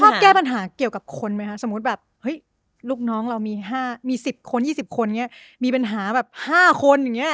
แก้ปัญหาเกี่ยวกับคนไหมคะสมมุติแบบเฮ้ยลูกน้องเรามี๕มี๑๐คน๒๐คนอย่างนี้มีปัญหาแบบ๕คนอย่างนี้